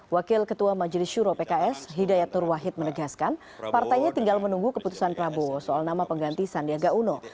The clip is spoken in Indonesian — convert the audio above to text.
wakil ketua majelis syuro pks hidayat nur wahid menegaskan partainya tinggal menunggu keputusan prabowo soal nama pengganti sandiaga uno